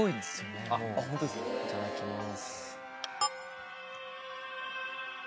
いただきます。